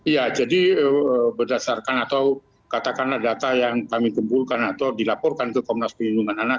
ya jadi berdasarkan atau katakanlah data yang kami kumpulkan atau dilaporkan ke komnas perlindungan anak